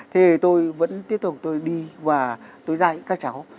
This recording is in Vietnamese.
thế thì tôi vẫn tiếp tục tôi đi và tôi dạy các cháu